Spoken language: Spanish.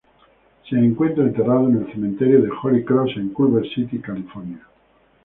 Se encuentra enterrado en el Cementerio de Holy Cross en Culver City, California.